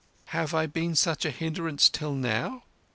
"Have I been such a hindrance till now?"